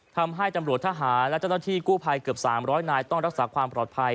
ทำให้ตำรวจทหารและเจ้าหน้าที่กู้ภัยเกือบ๓๐๐นายต้องรักษาความปลอดภัย